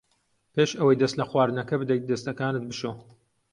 پێش ئەوەی دەست لە خواردنەکە بدەیت دەستەکانت بشۆ.